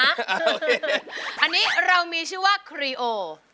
อันนี้เรามีชื่อว่าครีโอ